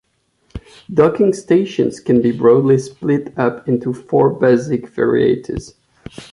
Docking stations can be broadly split up into four basic varieties.